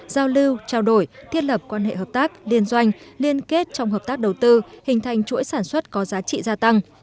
giao lưu trao đổi thiết lập quan hệ hợp tác liên doanh liên kết trong hợp tác đầu tư hình thành chuỗi sản xuất có giá trị gia tăng